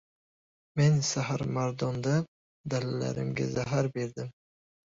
Men saharmardonda dalalarimga zahar berdim.